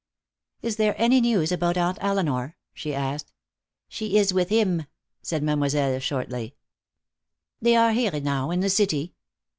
"Is there any news about Aunt Elinor?" she asked. "She is with him," said Mademoiselle, shortly. "They are here now, in the city.